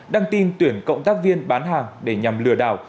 đăng tin tuyển cộng tác viên bán hàng để nhằm lừa đảo